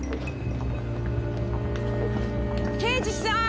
刑事さーん！